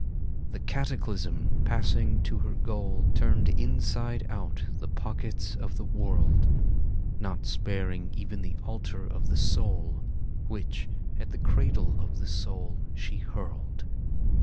The Cataclysm, passing to her goal. Turned inside out the pockets of the world, Not sparing even the altar of the soul, Which at the cradle of the soul she hurled.